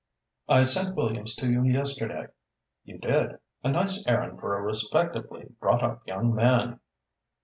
"I sent Williams to you yesterday." "You did. A nice errand for a respectably brought up young man!"